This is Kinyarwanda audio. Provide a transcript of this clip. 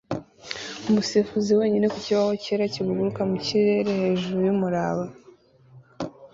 umusifuzi wenyine ku kibaho cyera kiguruka mu kirere hejuru yumuraba